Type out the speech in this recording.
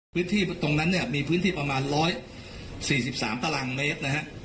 พื้นที่ตรงนั้นเนี้ยมีพื้นที่ประมาณร้อยสี่สิบสามตารางเมตรนะฮะ